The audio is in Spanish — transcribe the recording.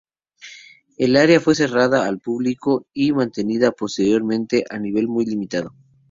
El área fue cerrada al público y mantenida posteriormente a un nivel muy limitado.